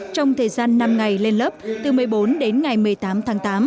trong thời gian năm ngày lên lớp từ một mươi bốn đến ngày một mươi tám tháng tám